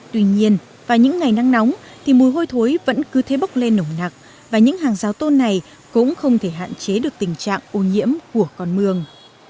tuy nhiên vào những ngày nắng nóng thì mùi hôi thối vẫn cứ thế bốc lên nồng nặc và những hàng rào tôn này cũng không thể hạn chế được tình trạng ô nhiễm của con mương